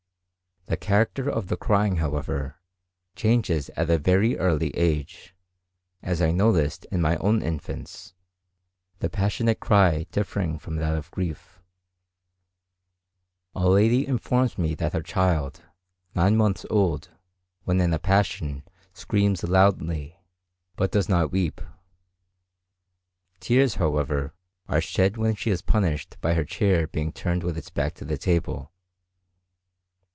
The character of the crying, however, changes at a very early age, as I noticed in my own infants,—the passionate cry differing from that of grief. A lady informs me that her child, nine months old, when in a passion screams loudly, but does not weep; tears, however, are shed when she is punished by her chair being turned with its back to the table.